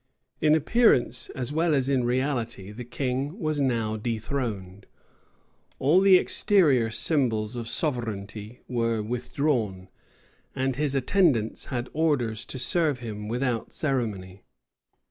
In appearance, as well as in reality, the king was now dethroned. All the exterior symbols of sovereignty were withdrawn, and his attendants had orders to serve him without ceremony.